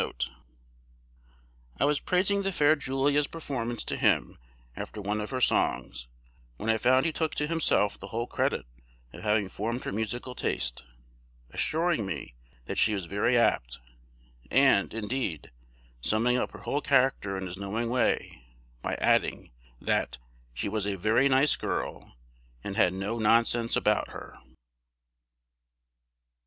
[Illustration: The Trio] I was praising the fair Julia's performance to him after one of her songs, when I found he took to himself the whole credit of having formed her musical taste, assuring me that she was very apt; and, indeed, summing up her whole character in his knowing way, by adding, that "she was a very nice girl, and had no nonsense about her."